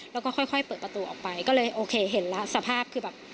แล้วก็ค่อยเปิดประตูออกไปก็เลยโอเคเห็นแล้วสภาพคือแบบ